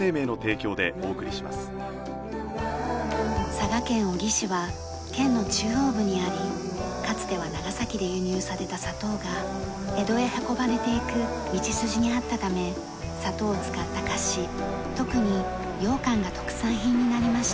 佐賀県小城市は県の中央部にありかつては長崎で輸入された砂糖が江戸へ運ばれていく道筋にあったため砂糖を使った菓子特に羊羹が特産品になりました。